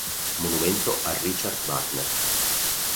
Monumento a Richard Wagner